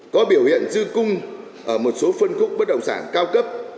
có biểu hiện dư cung ở một số phân khúc bất động sản cao cấp